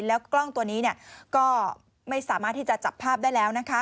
แล้วกล้องตัวนี้ก็ไม่สามารถที่จะจับภาพได้แล้วนะคะ